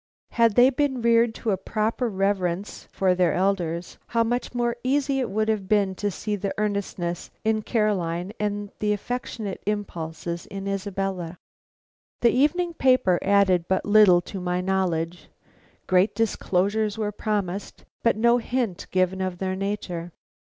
Had they been reared to a proper reverence for their elders, how much more easy it would have been to see earnestness in Caroline and affectionate impulses in Isabella. The evening papers added but little to my knowledge. Great disclosures were promised, but no hint given of their nature.